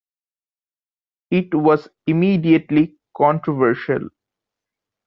It was immediately controversial.